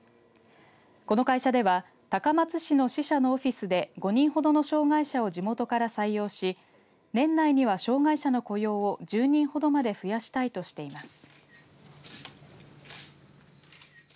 この会社では高松市の支社のオフィスで５人ほどの障害者を地元から採用し年内には障害者の雇用を１０人ほどまで増やしたいとしています。